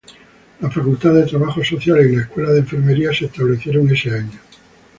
La Facultad de Trabajo Social y la Escuela de Enfermería se establecieron ese año.